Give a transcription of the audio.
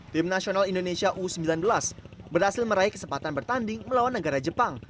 tim nasional indonesia u sembilan belas berhasil meraih kesempatan bertanding melawan negara jepang